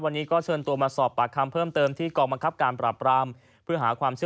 วันนี้ก็เชิญตัวมาสอบปากคันเพิ่มเติมที่กองมาก